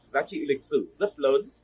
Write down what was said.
giá trị lịch sử rất lớn